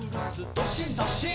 どっしんどっしん」